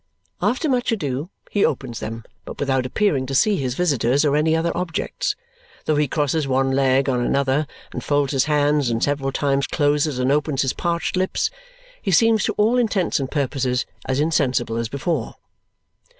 After much ado, he opens them, but without appearing to see his visitors or any other objects. Though he crosses one leg on another, and folds his hands, and several times closes and opens his parched lips, he seems to all intents and purposes as insensible as before.